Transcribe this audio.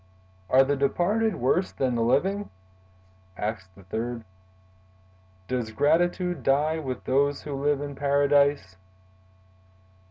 "Are the departed worse than the living?" asked the third. "Does gratitude die with those who live in Paradise?"